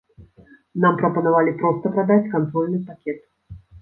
Нам прапанавалі проста прадаць кантрольны пакет.